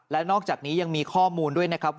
และนอกจากนี้ยังมีข้อมูล